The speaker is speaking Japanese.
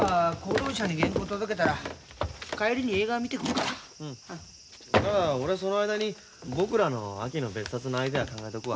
なら俺その間に「ぼくら」の秋の別冊のアイデア考えとくわ。